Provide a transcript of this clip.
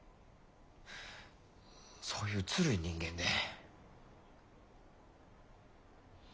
そういうずるい人間で。